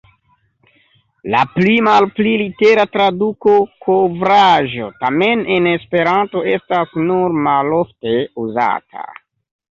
La pli-malpli litera traduko "kovraĵo" tamen en Esperanto estas nur malofte uzata.